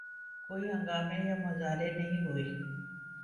کوئی ہنگامے یا مظاہرے نہیں ہوئے۔